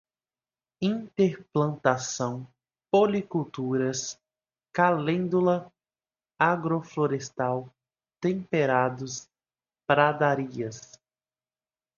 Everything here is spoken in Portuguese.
interplantação, policulturas, calêndula, agroflorestal, temperados, pradarias